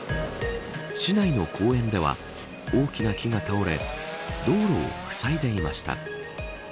市内の公園では大きな木が倒れ道路をふさいでいました。